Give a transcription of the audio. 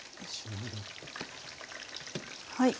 はい。